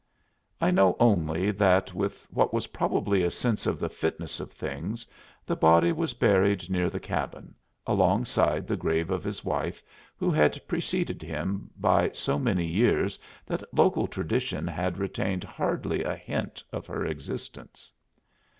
I know only that with what was probably a sense of the fitness of things the body was buried near the cabin, alongside the grave of his wife, who had preceded him by so many years that local tradition had retained hardly a hint of her existence.